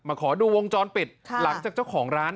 ขอดูวงจรปิดหลังจากเจ้าของร้าน